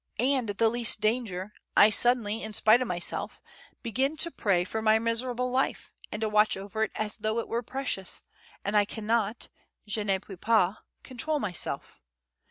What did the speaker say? And at the least danger, I suddenly, in spite of myself, begin to pray for my miserable life, and to watch over it as though it were precious, and I cannot, je ne puis pas, control myself.